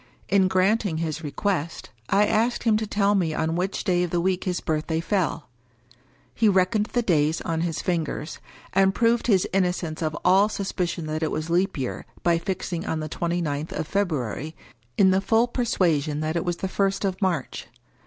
In granting his re quest, I asked him to tell me on which day of the week his birthday fell. He reckoned the days on his fingers; and proved his innocence of all suspicion that it was Leap Year, by fixing on the twenty ninth of February, in the full persuasion that it was the first of March.